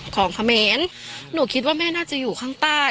ของเขมรหนูคิดว่าแม่น่าจะอยู่ข้างใต้